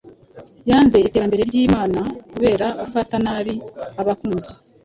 yanze iterambere ryimana kubera gufata nabi abakunzi